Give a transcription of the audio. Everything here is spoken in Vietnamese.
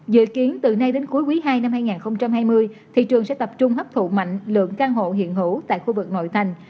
dự kiến từ nay đến cuối quý ii năm hai nghìn hai mươi thị trường sẽ tập trung hấp thụ mạnh lượng căn hộ hiện hữu tại khu vực nội thành